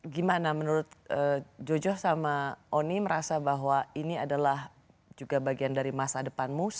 gimana menurut jojo sama oni merasa bahwa ini adalah juga bagian dari masa depanmu